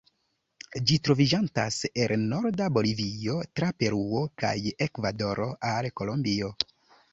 Ĝi troviĝantas el norda Bolivio, tra Peruo kaj Ekvadoro al Kolombio.